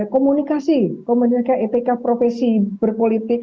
komunikasi komunikasi etika profesi berpolitik